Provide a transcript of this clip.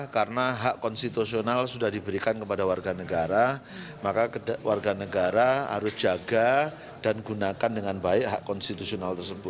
karena hak konstitusional sudah diberikan kepada warga negara maka warga negara harus jaga dan gunakan dengan baik hak konstitusional tersebut